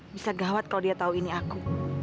bisa gawat kalau dia tahu ini aku